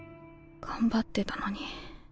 頑張ってたのに。